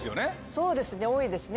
そうですね多いですね